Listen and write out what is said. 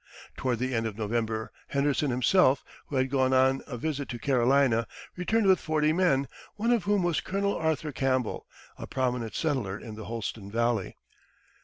Toward the end of November Henderson himself, who had gone on a visit to Carolina, returned with forty men, one of whom was Colonel Arthur Campbell, a prominent settler in the Holston Valley.